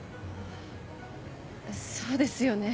そうですよね。